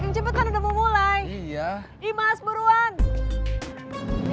punculut makan nasi merah sama ikan asin jambar roti